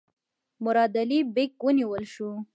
مراد علي بیګ ونیول شو.